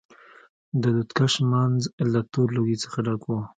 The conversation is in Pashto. د دود کش منځ له تور لوګي څخه ډک و.